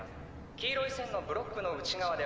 黄色い線のブロックの内側で。